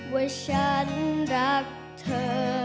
ว่าฉันรักเธอ